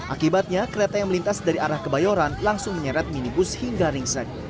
akibatnya kereta yang melintas dari arah kebayoran langsung menyeret minibus hingga ringsek